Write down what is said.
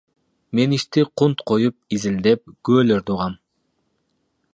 Мен ишти кунт коюп изилдеп, күбөлөрдү угам.